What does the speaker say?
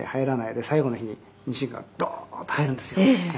「で最後の日にニシンがドーンと入るんですよ」